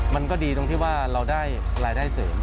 มันก็ดีตรงที่ว่าเราได้รายได้เสริม